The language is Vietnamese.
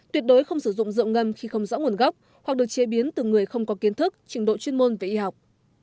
tuyệt đối không sử dụng rượu ngâm khi không rõ nguồn gốc hoặc được chế biến từ người không có kiến thức trình độ chuyên môn về y học